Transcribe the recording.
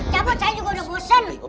capek saya juga udah bosan